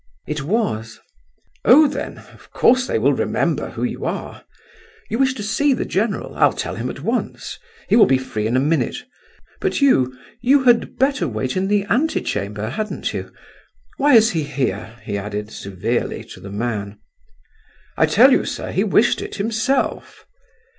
"It was." "Oh, then, of course they will remember who you are. You wish to see the general? I'll tell him at once—he will be free in a minute; but you—you had better wait in the ante chamber,—hadn't you? Why is he here?" he added, severely, to the man. "I tell you, sir, he wished it himself!"